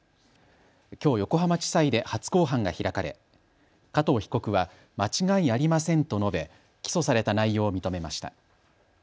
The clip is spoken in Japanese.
きょう横浜地裁で初公判が開かれ加藤被告は間違いありませんと述べ起訴された内容を認めました。